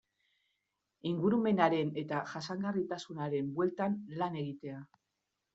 Ingurumenaren eta jasangarritasunaren bueltan lan egitea.